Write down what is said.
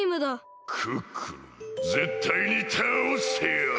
クックルンぜったいにたおしてやる！